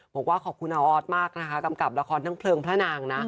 บอกว่าขอบคุณอาออสมากนะคะกำกับละครทั้งเพลิงพระนางนะ